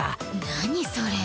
何それ。